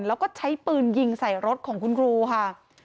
แล้วก็ใช้ปืนยิงใส่รถของคุณครูค่ะ